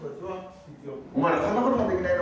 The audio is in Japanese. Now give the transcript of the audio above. お前らこんなこともできないのか！